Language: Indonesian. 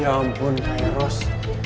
ya ampun kak eros